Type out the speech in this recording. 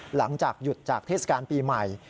หลังจากหยุดจากเทศกาลปีใหม่